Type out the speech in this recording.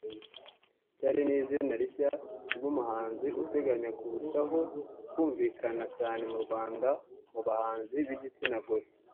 Charly ni izina rishya ry’umuhanzi uteganya kurushaho kumvikana cyane mu Rwanda mu bahanzi b’igitsina gore